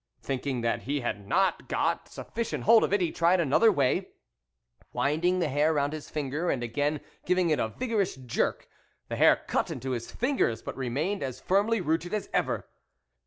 Thinking that he had not go sufficient hold of it, he tried another way, winding the hair round his finger and again giving it a vigorous jerk the lair cut into his fingers but remained as irmly rooted as ever.